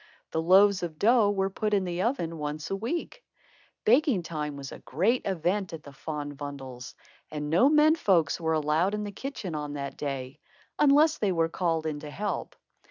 The loaves of dough were put in the oven once a week. Baking time was a great event at the Van Bommels' and no men folks were allowed in the kitchen on that day, unless they were called in to help.